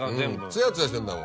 ツヤツヤしてんだもん。